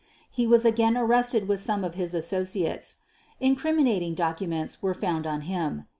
He was again arrested with some of his associates. Incriminating documents were found on him.